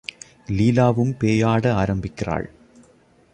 லீலாவும் பேயாட ஆரம்பிக்கிறாள்.